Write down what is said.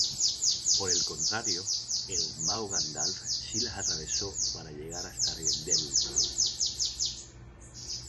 Por el contrario, el mago Gandalf sí las atravesó para llegar hasta Rivendel.